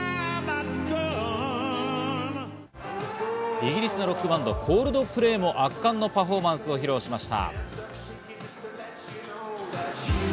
イギリスのロックバンド、コールドプレイも圧巻のパフォーマンスを披露しました。